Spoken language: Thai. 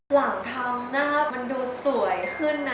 หลังทำหน้ามันดูสวยขึ้นนะ